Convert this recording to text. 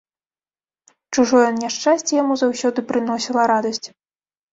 Чужое няшчасце яму заўсёды прыносіла радасць.